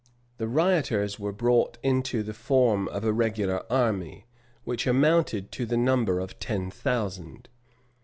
The rioters were brought into the form of a regular army, which amounted to the number of ten thousand.